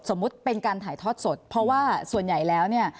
เป็นการถ่ายทอดสดเพราะว่าส่วนใหญ่แล้วเนี่ย